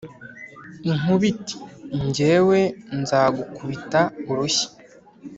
inkuba iti: ” jyewe nzagakubita urushyi,